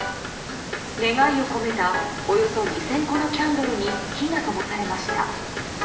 願いを込めたおよそ２０００個のキャンドルに火がともされました。